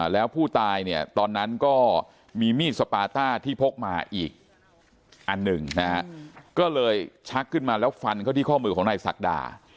แล้วผู้ตายเนี่ยตอนนั้นก็มีมีดสปาต้าที่พกมาอีกอันหนึ่งนะฮะก็เลยชักขึ้นมาแล้วฟันเข้าที่ข้อมือของนายศักดา